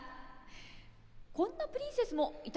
こんなプリンセスもいたかもしれません。